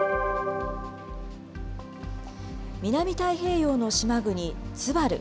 南太平洋の島国、ツバル。